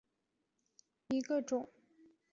犁地果为金丝桃科瑞地亚木属下的一个种。